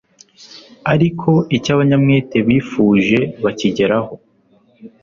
ariko icyo abanyamwete bifuje bakigeraho